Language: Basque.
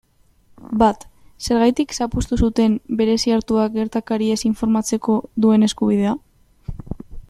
Bat, zergatik zapuztu zuten Bereziartuak gertakariez informatzeko duen eskubidea?